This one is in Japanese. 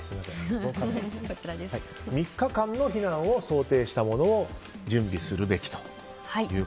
３日間の避難を想定したものを準備すべきと。